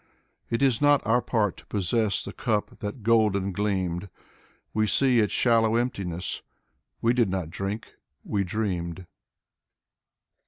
It is not our part to possess The cup that golden gleamed. We see its shallow emptiness: We did not drink — ^we dreamed.